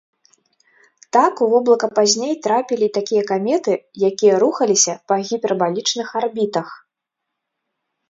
Так, у воблака пазней трапілі і такія каметы, якія рухаліся па гіпербалічных арбітах.